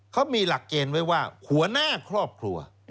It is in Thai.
เขามีหลักเกณฑ์ไว้ว่าหัวหน้าครอบครัว